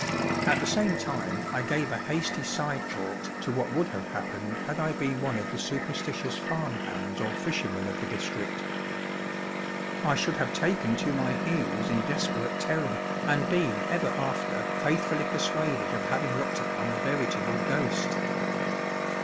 At the same time I gave a hasty side thought to what would have happened had I been one of the superstitious farmhands or fishermen of the district. I should have taken to my heels in desperate terror, and been ever after faithfully persuaded of having looked upon a veritable ghost.